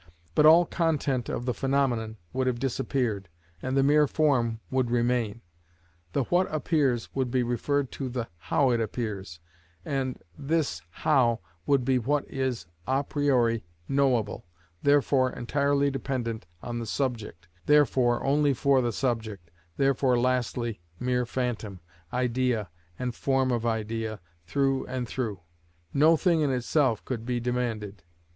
But all content of the phenomenon would have disappeared, and the mere form would remain. The "what appears" would be referred to the "how it appears," and this "how" would be what is a priori knowable, therefore entirely dependent on the subject, therefore only for the subject, therefore, lastly, mere phantom, idea and form of idea, through and through: no thing in itself could be demanded.